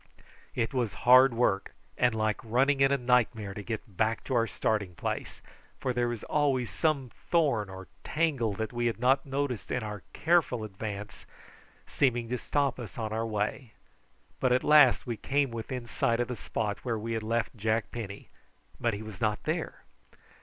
It was hard work and like running in a nightmare to get back to our starting place, for there was always some thorn or tangle that we had not noticed in our careful advance seeming to stop us on our way; but at last we came within sight of the spot where we had left Jack Penny, but he was not there.